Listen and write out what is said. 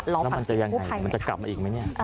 แล้วมันจะกลับมาอีกไหม